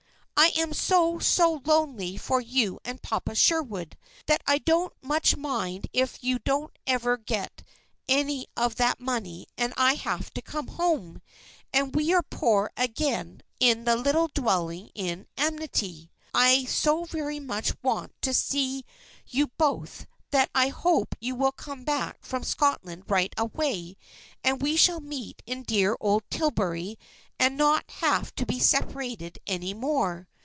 I am so, so lonely for you and Papa Sherwood that I don't so much mind if you don't ever get any of that money and have to come home, and we are poor again in 'the little dwelling in amity.' I so very much want to see you both that I hope you will come back from Scotland right away and we shall meet in dear old Tillbury and not have to be separated any more.